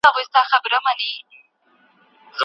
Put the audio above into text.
که خلګ متحد سي سياسي نظامونه غښتلي کېږي.